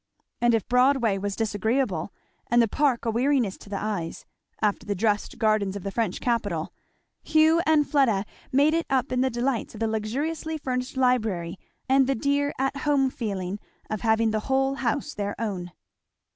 And if Broadway was disagreeable, and the Park a weariness to the eyes, after the dressed gardens of the French capital, Hugh and Fleda made it up in the delights of the luxuriously furnished library and the dear at home feeling of having the whole house their own.